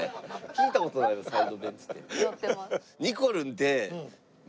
聞いた事ないわサイドベンツって。